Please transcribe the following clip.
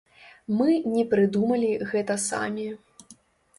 Мы не прыдумалі гэта самі.